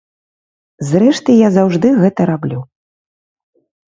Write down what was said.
Зрэшты я заўжды гэта раблю.